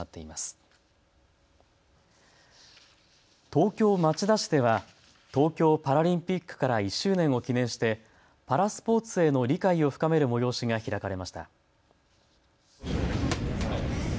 東京町田市では東京パラリンピックから１周年を記念してパラスポーツへの理解を深める催しが開かれました。